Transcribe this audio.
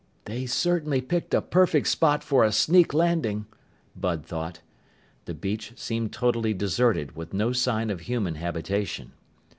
"They certainly picked a perfect spot for a sneak landing!" Bud thought. The beach seemed totally deserted, with no sign of human habitation.